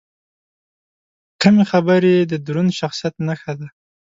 کمې خبرې، د دروند شخصیت نښه ده.